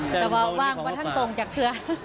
แต่ว่าว่างประทันตรงจากเทือ